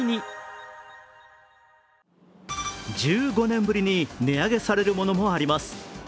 １５年ぶりに値上げされるものもあります。